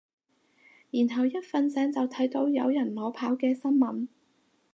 然後一瞓醒就睇到有人裸跑嘅新聞